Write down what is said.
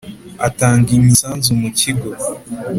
atanga imisanzu mu kigo